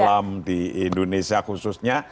umat islam di indonesia khususnya